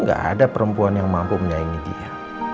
gak ada perempuan yang mampu menyaingi dia